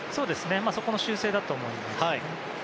そこの修正だと思います。